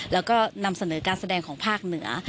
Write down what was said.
แล้วก็นำเสนอการแสดงของภาคเหนือ